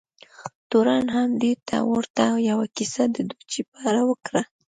تورن هم دې ته ورته یوه کیسه د ډوچي په اړه وکړه.